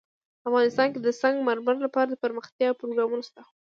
افغانستان کې د سنگ مرمر لپاره دپرمختیا پروګرامونه شته.